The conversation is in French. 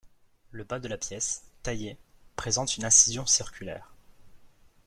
Le bas de la pièce, taillé, présente une incision circulaire.